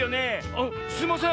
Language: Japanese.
「あっすいません